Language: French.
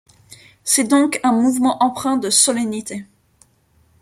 C'est donc un mouvement empreint de solennité.